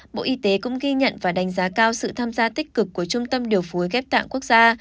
bộ y tế cũng ghi nhận và đánh giá cao sự tham gia tích cực của trung tâm điều phối ghép tạng quốc gia